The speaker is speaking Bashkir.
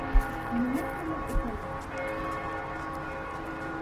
Ниңә ҡымыҙ әсәләр?